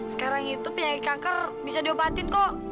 sekarang itu penyakit kanker bisa diobatin kok